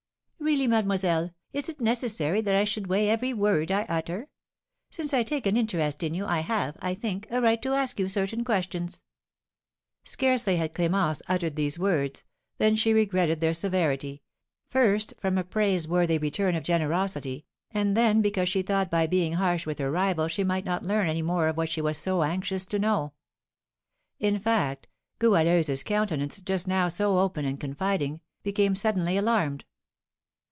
"Really, mademoiselle, is it necessary that I should weigh every word I utter? Since I take an interest in you, I have, I think, a right to ask you certain questions!" Scarcely had Clémence uttered these words, than she regretted their severity; first from a praiseworthy return of generosity, and then because she thought by being harsh with her rival she might not learn any more of what she was so anxious to know. In fact, Goualeuse's countenance, just now so open and confiding, became suddenly alarmed.